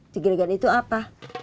jegregan itu apa